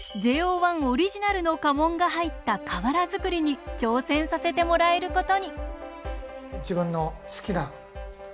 １オリジナルの家紋が入った瓦づくりに挑戦させてもらえることに。